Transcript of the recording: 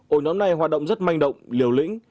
ổ nhóm này hoạt động rất manh động liều lĩnh